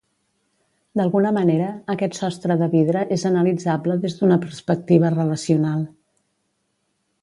D'alguna manera aquest sostre de vidre és analitzable des d'una perspectiva relacional.